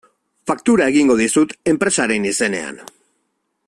Faktura egingo dizut enpresaren izenean.